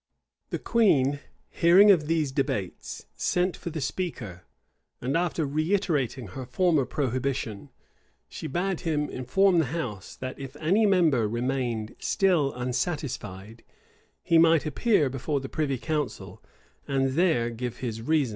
[] The queen, hearing of these debates, sent for the speaker; and after reiterating her former prohibition, she bade him inform the house, that if any member remained still unsatisfied, he might appear before the privy council, and there give his reasons.